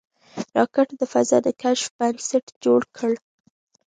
راکټ د فضا د کشف بنسټ جوړ کړ